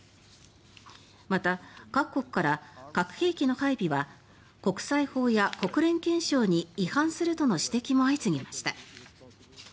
また、各国から核兵器の配備は国際法や国連憲章に違反するとの指摘も相次ぎました。